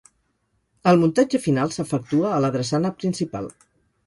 El muntatge final s'efectua a la drassana principal.